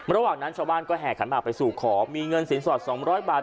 ระหว่างนั้นชาวบ้านก็แห่ขันหมากไปสู่ขอมีเงินสินสอด๒๐๐บาท